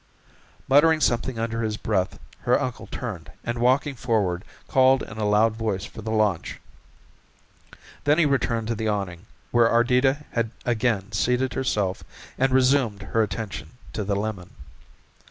Muttering something under his breath her uncle turned and, walking forward called in a loud voice for the launch. Then he returned to the awning, where Ardita had again seated herself and resumed her attention to the lemon.